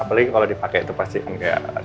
apalagi kalau dipakai itu pasti enggak